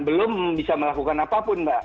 belum bisa melakukan apapun mbak